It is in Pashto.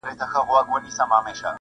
سمدلاسه خلګ راسي د ده لور ته,